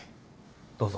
どうぞ。